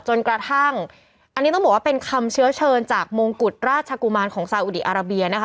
จนกระทั่งอันนี้ต้องบอกว่าเป็นคำเชื้อเชิญจากมงกุฎราชกุมารของซาอุดีอาราเบียนะคะ